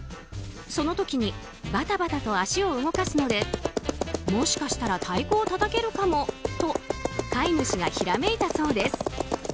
その時にバタバタと足を動かすのでもしかしたら太鼓をたたけるかもと飼い主がひらめいたそうです。